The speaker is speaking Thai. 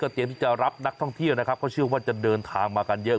เตรียมที่จะรับนักท่องเที่ยวนะครับเขาเชื่อว่าจะเดินทางมากันเยอะ